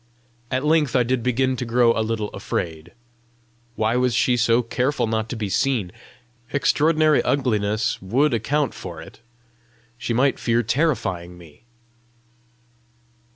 At length I did begin to grow a little afraid. Why was she so careful not to be seen? Extraordinary ugliness would account for it: she might fear terrifying me!